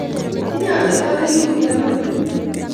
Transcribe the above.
Tinyei atepto nekiumizani metit